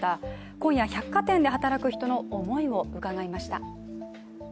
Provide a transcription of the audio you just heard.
今夜、百貨店で働く人の思いを伺いました。